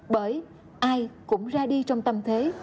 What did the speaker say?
bởi ai cũng ra đi trong tâm thế